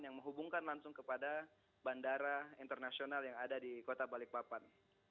yang menghubungkan langsung kepada bandara internasional yang ada di kota balikpapan